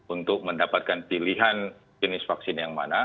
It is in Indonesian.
untuk mendapatkan pilihan jenis vaksin yang mana